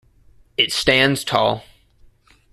It stands tall.